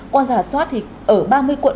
qua giả soát thì ở ba mươi quận